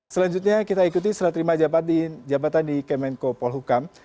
selanjutnya kita ikuti serah terima jabatan di kemenko polhukam